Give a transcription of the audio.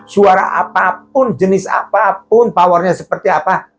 suara apapun jenis apapun powernya seperti apa